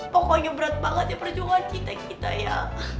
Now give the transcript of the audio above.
pokoknya berat banget ya perjuangan kita kita ya